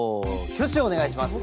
挙手をお願いします！